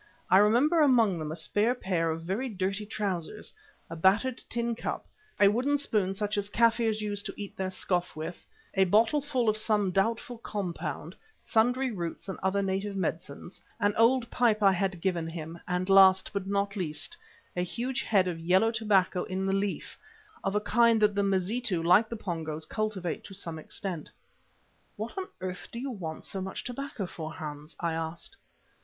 I remember among them a spare pair of very dirty trousers, a battered tin cup, a wooden spoon such as Kaffirs use to eat their scoff with, a bottle full of some doubtful compound, sundry roots and other native medicines, an old pipe I had given him, and last but not least, a huge head of yellow tobacco in the leaf, of a kind that the Mazitu, like the Pongos, cultivate to some extent. "What on earth do you want so much tobacco for, Hans?" I asked.